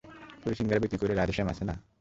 পুরি সিংগারা বিক্রি করে রাধেশ্যাম আছে না?